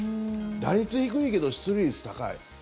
打率低いけど出塁率高い。